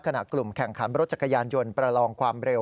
กลุ่มแข่งขันรถจักรยานยนต์ประลองความเร็ว